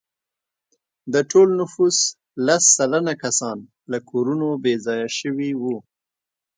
د ټول نفوس لس سلنه کسان له کورونو بې ځایه شوي وو.